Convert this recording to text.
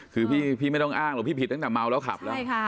คือพี่ไม่ต้องอ้างหรอกพี่ผิดก็ต้องเมานะครับ